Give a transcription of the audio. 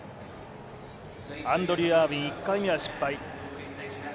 アンドリュー・アーウィン、１回目は失敗。